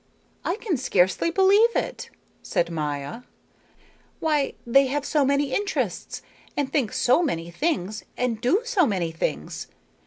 "I can scarcely believe it," said Maya. "Why, they have so many interests, and think so many things, and do so many things.